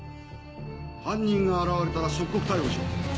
犯人が現れたら即刻逮捕しろ。